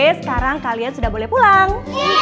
sekarang kalian sudah boleh pulang